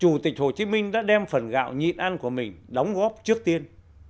chủ tịch hồ chí minh đã đem phần gạo nhịn ăn của mình đóng góp trước tiên